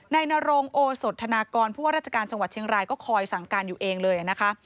นโรงโอสดธนากรผู้ว่าราชการจังหวัดเชียงรายก็คอยสั่งการอยู่เองเลยนะคะ